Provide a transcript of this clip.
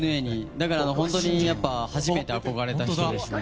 だから、本当に初めて憧れた人ですね。